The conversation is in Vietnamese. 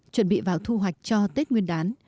chuẩn bị vào thu hoạch cho tết nguyên đán